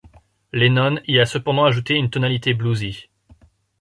Lennon y a cependant ajouté une tonalité bluesy.